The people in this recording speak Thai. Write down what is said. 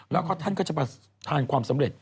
แล้วก็ท่านก็จะมาทานความสำเร็จ